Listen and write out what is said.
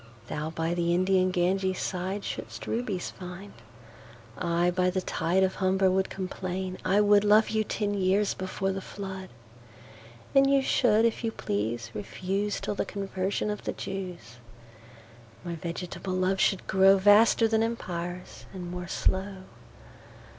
Thou by the Indian Ganges sideShould'st Rubies find: I by the TideOf Humber would complain. I wouldLove you ten years before the Flood:And you should if you please refuseTill the Conversion of the Jews.My vegetable Love should growVaster then Empires, and more slow.